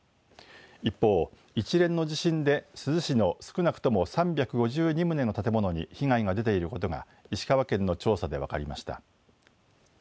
一方、一連の地震で珠洲市の少なくとも３５２棟の建物に被害が出ていることが石川県の調査で分かりました。